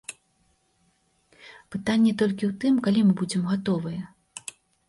Пытанне толькі ў тым, калі мы будзем гатовыя.